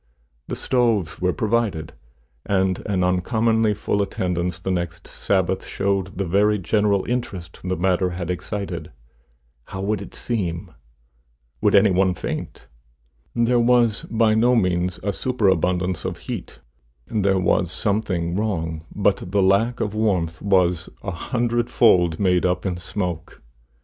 The stoves were provided, and an uncommonly full attendance the next Sabbath showed the very general interest the matter had excited. How would it seem? Would any one faint? There was by no means a superabundance of heat; there was something wrong, but the lack of warmth was a hundred fold made up in smoke.